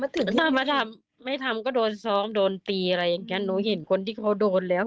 ถ้ามาทำไม่ทำก็โดนซ้อมโดนตีอะไรอย่างเงี้ยหนูเห็นคนที่เขาโดนแล้ว